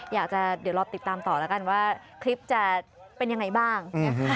อยากจะเดี๋ยวรอติดตามต่อแล้วกันว่าคลิปจะเป็นยังไงบ้างนะคะ